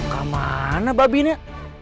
kemana babi ini